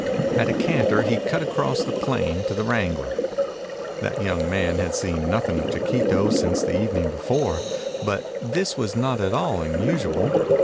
At a canter he cut across the plain to the wrangler. That young man had seen nothing of Chiquito since the evening before, but this was not at all unusual.